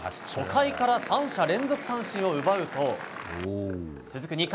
初回から３者連続三振を奪うと続く